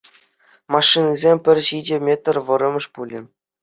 Машинисем пӗр ҫичӗ метр вӑрӑмӗш пулӗ.